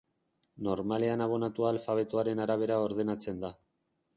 Normalean abonatua alfabetoaren arabera ordenatzen da.